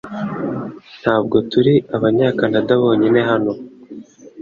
Ntabwo turi abanyakanada bonyine hano .